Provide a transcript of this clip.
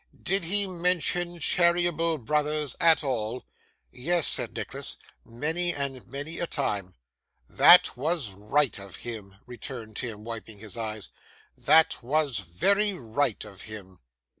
Did he mention Cheeryble Brothers at all?' 'Yes,' said Nicholas, 'many and many a time.' 'That was right of him,' returned Tim, wiping his eyes; 'that was very right of him.